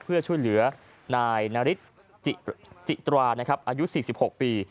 เพื่อช่วยเหลือนายนาริสจิตรานะครับอายุ๔๖ปี